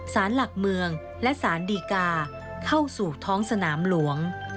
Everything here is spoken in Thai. สารหลักเมืองและสารดีกาเข้าสู่ท้องสนามหลวง